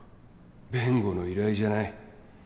弁護の依頼じゃない。